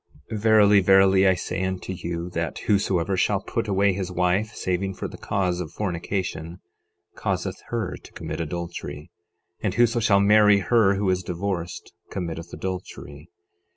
12:32 Verily, verily, I say unto you, that whosoever shall put away his wife, saving for the cause of fornication, causeth her to commit adultery; and whoso shall marry her who is divorced committeth adultery.